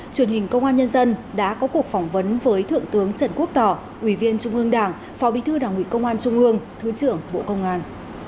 truyền hình công an nhân dân đã có cuộc phỏng vấn với thượng tướng trần quốc tỏ ủy viên trung ương đảng phó bí thư đảng ủy công an trung ương thứ trưởng bộ công an